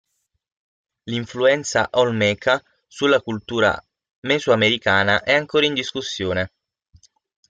L'influenza olmeca sulla cultura mesoamericana è ancora in discussione.